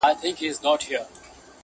چي تر څو په دې وطن کي نوم د پیر وي -